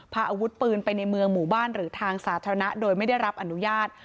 พาอาวุธปืนไปในเมืองหมู่บ้านหรือทางสาธารณะโดยไม่ได้รับอนุญาต